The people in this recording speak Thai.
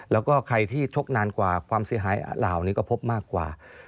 แล้วก็ใครที่ชกนานกว่าความเสียหายเหล่านี้ก็พบมากกว่า